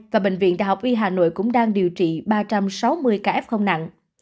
và bệnh viện đại học y hà nội cũng đang điều trị ba trăm sáu mươi ca f nặng